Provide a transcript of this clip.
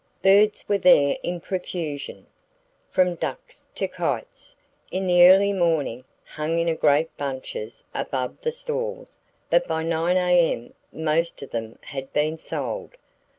"Birds were there in profusion, from ducks to kites, in the early morning, hung in great bunches above the stalls, but by 9 A.M. most of them had been sold.